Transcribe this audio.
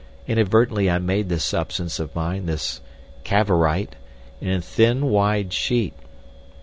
Inadvertently I made this substance of mine, this Cavorite, in a thin, wide sheet...."